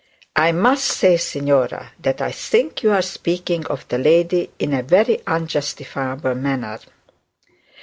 'I must say, signora, that I think you are speaking of the lady in a very unjustifiable manner.'